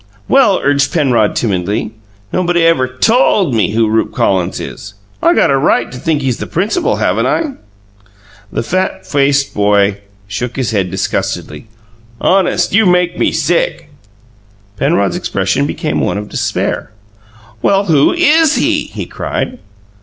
"Well," urged Penrod timidly, "nobody ever TOLD me who Rupe Collins is: I got a RIGHT to think he's the principal, haven't I?" The fat faced boy shook his head disgustedly. "Honest, you make me sick!" Penrod's expression became one of despair. "Well, who IS he?" he cried.